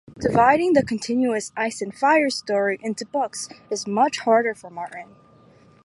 Dividing the continuous "Ice and Fire" story into books is much harder for Martin.